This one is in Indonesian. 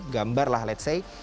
gambar lah let's say